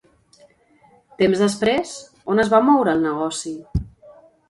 Temps després, on es va moure el negoci?